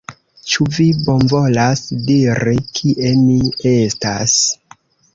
Ĉu vi bonvolas diri, kie mi estas?